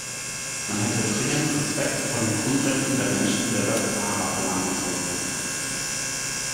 Man hätte dringend Respekt vor den Grundrechten der Menschen in der Westsahara verlangen sollen.